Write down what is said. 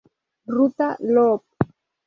Ruta Loop.